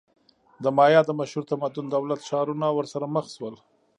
د مایا د مشهور تمدن دولت-ښارونه ورسره مخ شول.